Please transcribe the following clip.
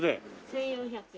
１４００円。